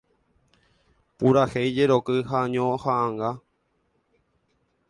Purahéi, jeroky ha ñoha'ãnga.